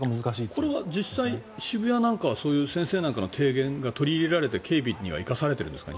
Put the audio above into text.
これは実際、渋谷なんかは先生の提言が取り入れられて警備には生かされているんですか？